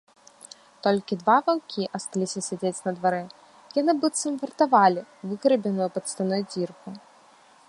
Толькі два ваўкі асталіся сядзець на дварэ, яны быццам вартавалі выграбеную пад сцяной дзірку.